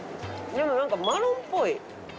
でもなんかマロンっぽい。